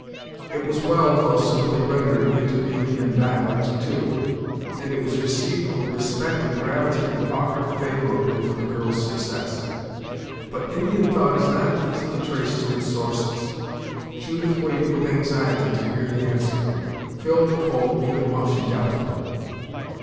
It was well, though simply rendered into the Indian dialect too, and it was received with a respect and gravity that augured favourably for the girl's success. But Indian thought is not easily traced to its sources. Judith waited with anxiety to hear the answer, filled with hope even while she doubted.